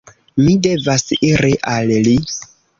"Mi devas iri al li!"